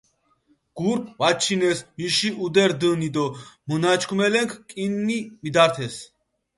გურქ ვაჩინეს მიში ჸუდე რდჷნი, დო მჷნაჩქუმელენქ კჷნი მიდართეს.